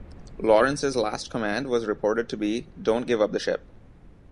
Lawrence's last command was reported to be, "Don't give up the ship".